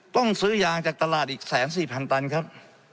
ต้องซื้อยางจากตลาดอีก๑๔๐๐๐ตันครับ